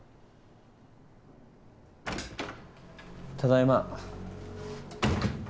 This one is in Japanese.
ただいま。